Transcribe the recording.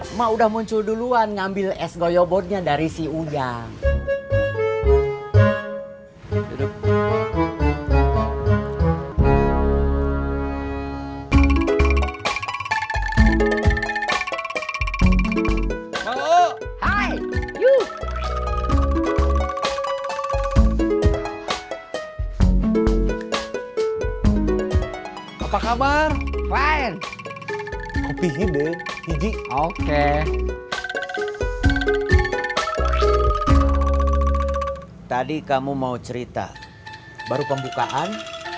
emak udah muncul duluan